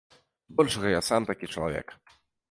Збольшага я сам такі чалавек.